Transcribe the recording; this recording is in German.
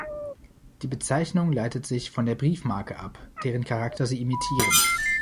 Die Bezeichnung leitet sich von der Briefmarke ab, deren Charakter sie imitieren.